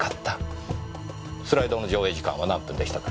スライドの上映時間は何分でしたか？